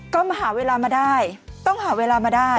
ก็มาหาเวลามาได้ต้องหาเวลามาได้